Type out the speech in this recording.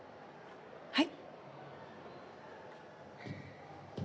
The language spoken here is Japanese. はい？